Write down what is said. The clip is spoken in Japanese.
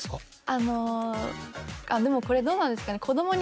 あのでもこれどうなんですかね？